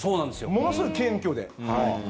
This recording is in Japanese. ものすごい謙虚で。